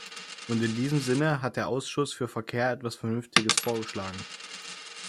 Und in diesem Sinne hat der Ausschuss für Verkehr etwas Vernünftiges vorgeschlagen.